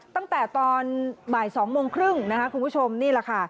ตั้งแต่ตอนบ่าย๒โมงครึ่งนะคะคุณผู้ชมนี่แหละค่ะ